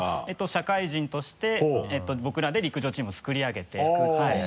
社会人として僕らで陸上チームを作り上げて。